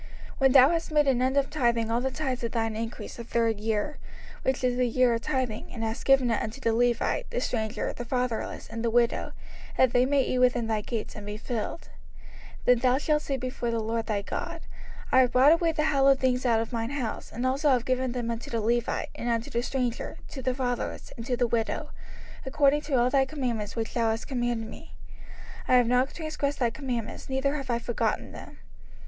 05:026:012 When thou hast made an end of tithing all the tithes of thine increase the third year, which is the year of tithing, and hast given it unto the Levite, the stranger, the fatherless, and the widow, that they may eat within thy gates, and be filled; 05:026:013 Then thou shalt say before the LORD thy God, I have brought away the hallowed things out of mine house, and also have given them unto the Levite, and unto the stranger, to the fatherless, and to the widow, according to all thy commandments which thou hast commanded me: I have not transgressed thy commandments, neither have I forgotten them.